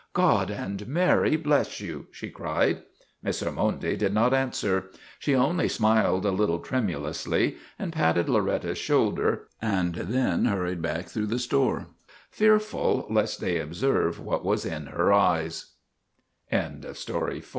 " God and Mary bless you! " she cried. Miss Ormonde did not answer. She only smiled a little tremulously and patted Loretta's shoulder, and then hurried back through the store, fearful lest they observe what was in h